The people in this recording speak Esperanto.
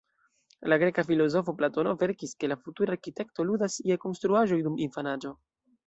La greka filozofo Platono verkis, ke la futura arkitekto ludas je konstruaĵoj dum infanaĝo.